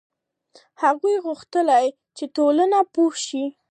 هغه غوښتل چې ټولنه پوه شي.